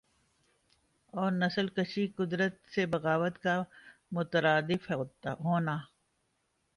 اور نسل کشی قدرت سے بغاوت کا مترادف ہونا